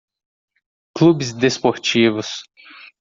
clubes desportivos.